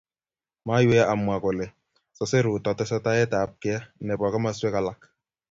Maiwei amwaa kole sosei Ruto tesetaet ab kei nebo komaswek alak